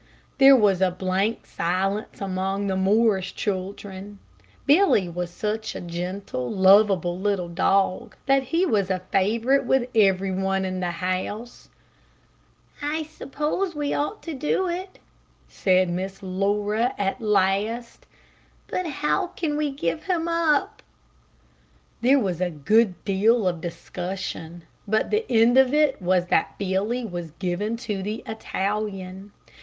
There was a blank silence among the Morris children. Billy was such a gentle, lovable, little dog, that he was a favorite with every one in the house. "I suppose we ought to do it," said Miss Laura, at last; "but how can we give him up?" There was a good deal of discussion, but the end of it was that Billy was given to the Italian.